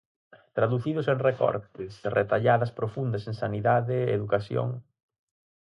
Traducidos en recortes, retalladas profundas en sanidade, educación...